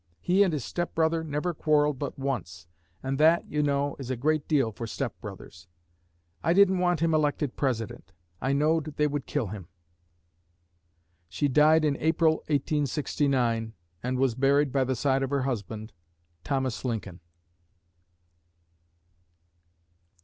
He and his step brother never quarrelled but once, and that, you know, is a great deal for step brothers. I didn't want him elected President. I knowed they would kill him.'" She died in April, 1869, and was buried by the side of her husband, Thomas Lincoln.